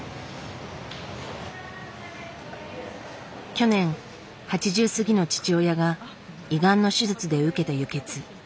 去年８０過ぎの父親が胃がんの手術で受けた輸血。